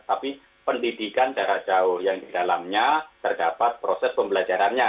tapi pendidikan jarak jauh yang didalamnya terdapat proses pembelajarannya